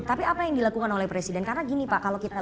tapi apa yang dilakukan oleh presiden karena gini pak kalau kita